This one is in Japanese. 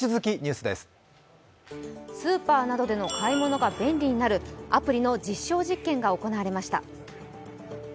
スーパーなどでの買い物が便利になるアプリの実証実験が行われました。